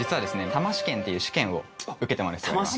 玉試験っていう試験を受けてもらう必要あります